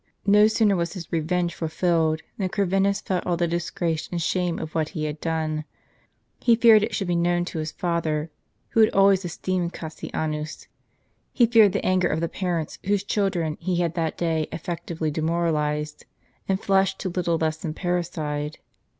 No sooner was his revenge fulfilled than Corvinus felt all the disgrace and shame of what he had done ; he feared it should be known to his father, who had always esteemed Cassianus ; he feared the anger of the parents, whose childi en he had that day efi"ectually demoral ized, and fleshed to little less than parricide.